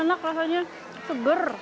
enak rasanya seger